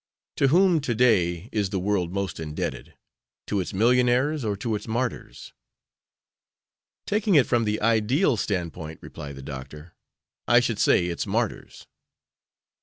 To whom to day is the world most indebted to its millionaires or to its martyrs?" "Taking it from the ideal standpoint," replied the doctor, "I should say its martyrs."